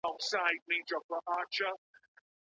ښاروالي د روغتیا په برخه کي څه ونډه لري؟